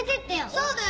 そうだよ